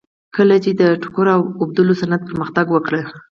کله چې د ټوکر اوبدلو صنعت پرمختګ وکړ